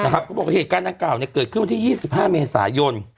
แล้วก็ทางแยกจึงเหลียวซ้าย